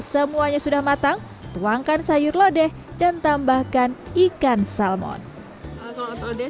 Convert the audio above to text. semuanya sudah matang tuangkan sayur lodeh dan tambahkan ikan salmon kalau dia